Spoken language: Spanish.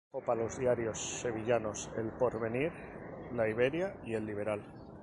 Trabajó para los diarios sevillanos "El Porvenir", "La Iberia" y "El Liberal".